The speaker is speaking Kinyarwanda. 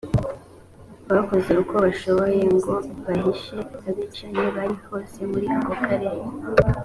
bakoze uko bashoboye ngo bihishe abicanyi bari hose muri ako karere